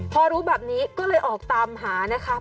พอรู้แบบนี้ก็เลยออกตามหานะครับ